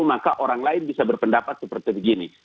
maka orang lain bisa berpendapat seperti begini